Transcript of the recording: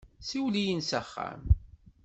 Siwel-iyi-n s axxam.